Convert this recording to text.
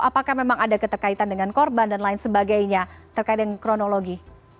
apakah memang ada keterkaitan dengan korban dan lain sebagainya terkait dengan kronologi